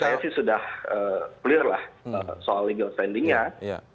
jadi menurut saya sudah clear lah soal legal standingnya